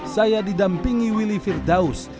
saya didampingi willy firdaus